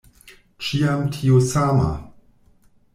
Ĉiam tio sama!